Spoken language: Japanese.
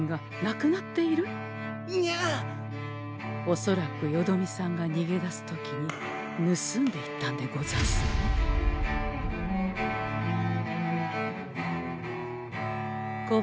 おそらくよどみさんがにげ出す時に盗んでいったんでござんすね。